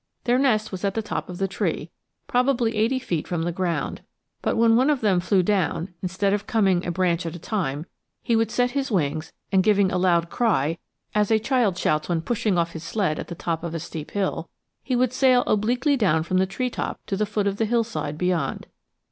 Their nest was at the top of the tree; probably eighty feet from the ground, but when one of them flew down, instead of coming a branch at a time, he would set his wings and, giving a loud cry, as a child shouts when pushing off his sled at the top of a steep hill, he would sail obliquely down from the treetop to the foot of the hillside beyond.